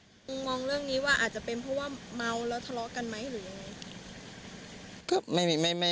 มองเรื่องนี้ว่าอาจจะเป็นเพราะว่าเมาแล้วทะเลาะกันไหมหรือยังไง